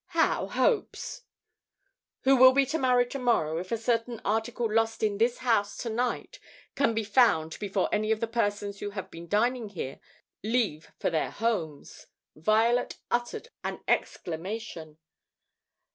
"How, hopes?" "Who will be married tomorrow, if a certain article lost in this house tonight can be found before any of the persons who have been dining here leave for their homes." Violet uttered an exclamation.